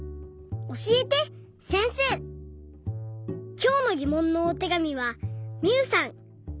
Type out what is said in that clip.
きょうのぎもんのおてがみはみゆさん８さいから。